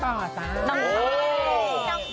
น้องต่อตัวเล็ก